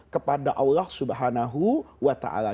kepada allah subhanahu wa ta'ala